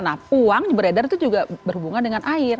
nah uang yang beredar itu juga berhubungan dengan air